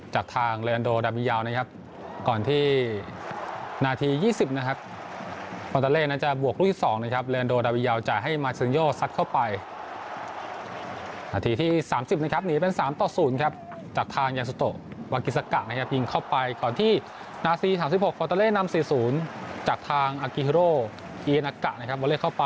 หนาที๒๐นะครับควอตเตอเลจะบวกรูปที่๒นะครับ